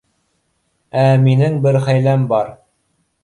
Ә минең бер хәйләм бар.